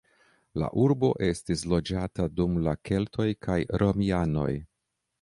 La urbo estis loĝata dum la keltoj kaj romianoj.